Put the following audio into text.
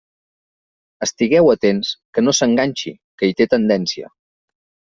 Estigueu atents que no s'enganxi, que hi té tendència.